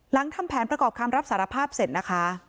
ทำแผนประกอบคำรับสารภาพเสร็จนะคะ